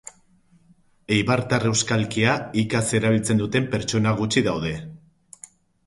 Eibartar euskalkia hikaz erabiltzen duten persona gutxi daude